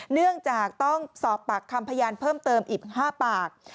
เนื่องจากต้องสอบปากคำพยานเพิ่มเติมอีก๕ปาก